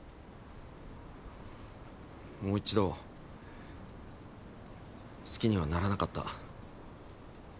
もう一度好きにはならなかった。